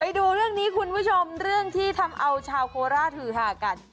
ไปดูเรื่องนี้คุณผู้ชมเรื่องที่ทำเอาชาวโคราชหือหากัน